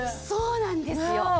そうなんですよ。